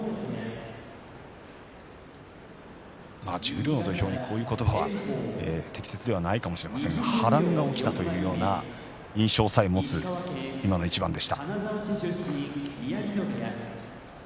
十両の土俵に適切ではないかもしれませんが波乱が起きたというような印象さえ持つ今の一番です。